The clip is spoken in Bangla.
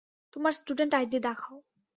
তোমার স্টুডেন্ট আইডি দেখাও।